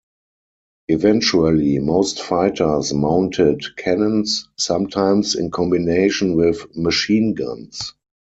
Eventually, most fighters mounted cannons, sometimes in combination with machine guns.